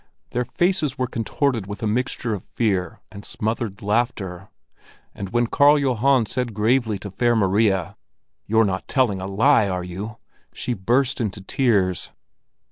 Their faces were contorted with a mixture of fear and smothered laughter; and when Karl Johan said gravely to Fair Maria: "You're not telling a lie, are you?" she burst into tears.